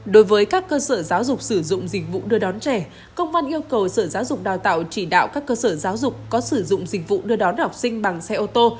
đối với các cơ sở giáo dục sử dụng dịch vụ đưa đón trẻ công văn yêu cầu sở giáo dục đào tạo chỉ đạo các cơ sở giáo dục có sử dụng dịch vụ đưa đón học sinh bằng xe ô tô